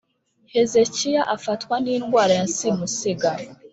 Hezekiya afatwa n’indwara ya simusiga.